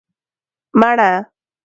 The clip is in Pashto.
🍏 مڼه